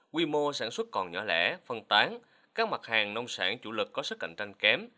quy mô sản xuất còn nhỏ lẻ phân tán các mặt hàng nông sản chủ lực có sức cạnh tranh kém